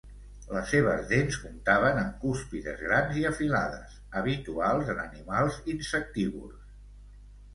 Les seves dents comptaven amb cúspides grans i afilades, habituals en animals insectívors.